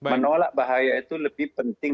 menolak bahaya itu lebih penting